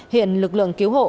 hiện lực lượng cứu hộ